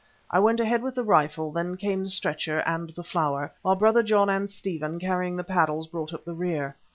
I went ahead with the rifle, then came the stretcher and the flower, while Brother John and Stephen, carrying the paddles, brought up the rear.